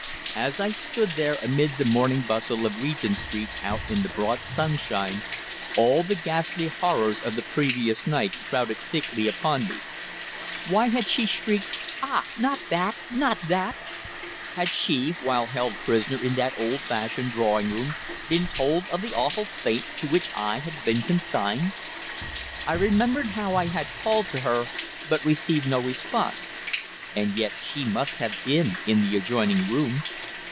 As I stood there amid the morning bustle of Regent Street out in the broad sunshine, all the ghastly horrors of the previous night crowded thickly upon me. Why had she shrieked: "Ah! not that not that!" Had she, while held prisoner in that old fashioned drawing room, been told of the awful fate to which I had been consigned? I remembered how I had called to her, but received no response. And yet she must have been in the adjoining room.